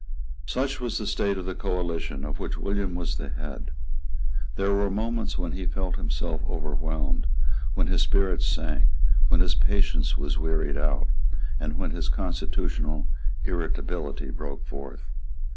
Such was the state of the coalition of which William was the head. There were moments when he felt himself overwhelmed, when his spirits sank, when his patience was wearied out, and when his constitutional irritability broke forth.